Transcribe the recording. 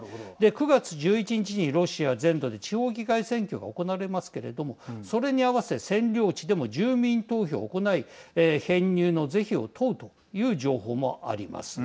９月１１日にロシア全土で地方議会選挙が行われますけれどもそれに合わせ占領地でも住民投票を行い編入の是非を問うという情報もあります。